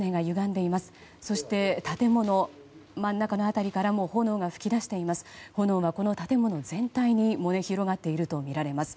そして建物真ん中の辺りからも炎が広がっています。